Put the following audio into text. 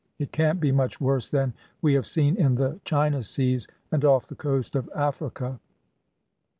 It can't be much worse than we have seen in the China Seas, and off the coast of Africa."